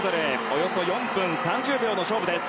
およそ４分３０秒の勝負です。